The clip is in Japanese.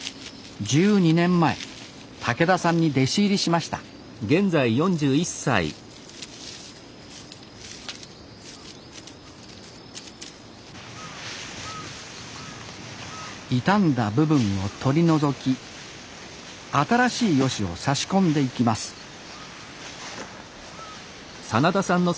１２年前竹田さんに弟子入りしました傷んだ部分を取り除き新しいヨシを差し込んでいきますえ？